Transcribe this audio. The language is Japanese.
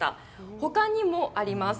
ほかにもあります。